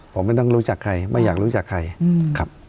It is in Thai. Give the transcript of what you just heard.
ผมไม่ต้องรู้จักใครไม่อยากรู้จักใครครับ